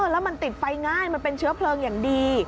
แล้วมันติดไฟง่ายมันเป็นเชื้อเพลิงอย่างดี